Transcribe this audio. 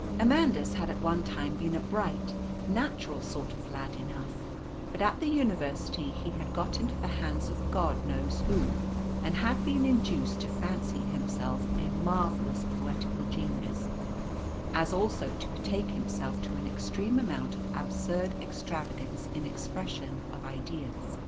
Amandus had at one time been a bright, natural sort of lad enough, but at the university he had got into the hands of God knows who, and had been induced to fancy himself a marvellous poetical genius, as also to betake himself to an extreme amount of absurd extravagance in expression of ideas.